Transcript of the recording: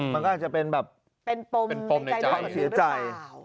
มันก็อาจจะเป็นแบบเป็นปมในใจเรื่องของเด็กคนนึงหรือเปล่า